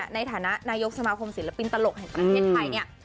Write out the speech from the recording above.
ในฐานะนายกสมาคมศิลปินตลกแห่งประเทศไทยเนี่ย